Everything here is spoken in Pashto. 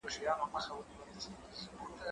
زه مخکي درس لوستی و،